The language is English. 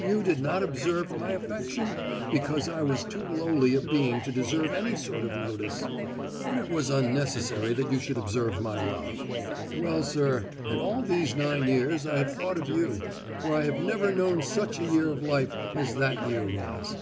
"You did not observe my affection, because I was too lowly a being to deserve any sort of notice; but it was unnecessary that you should observe my love. Well, sir, and all these nine years I have thought of you, for I have never known such a year of life as that year was."